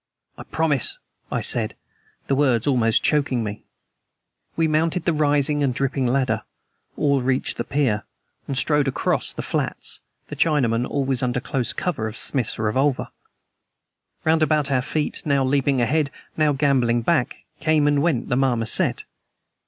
"I promise," I said, the words almost choking me. We mounted the rising and dipping ladder, all reached the pier, and strode out across the flats, the Chinaman always under close cover of Smith's revolver. Round about our feet, now leaping ahead, now gamboling back, came and went the marmoset.